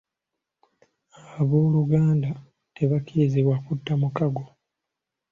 Abooluganda tebakkirizibwa kutta mukago.